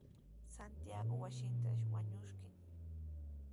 Santiagoshi wasintraw wañuskin.